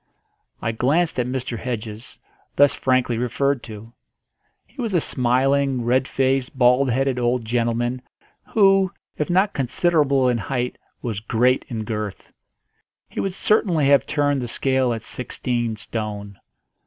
I glanced at Mr. Hedges, thus frankly referred to. He was a smiling, red faced, bald headed old gentleman, who, if not considerable in height, was great in girth. He would certainly have turned the scale at sixteen stone.